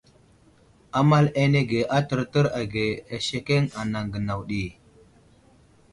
Amal ane anege a tərtər age asekeŋ anaŋ gənaw ɗi.